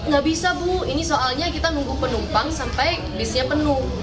gak bisa bu ini soalnya kita nunggu penumpang sampai bisnya penuh